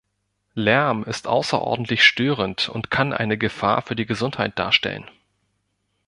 Lärm ist außerordentlich störend und kann eine Gefahr für die Gesundheit darstellen.